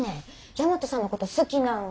大和さんのこと好きなんは。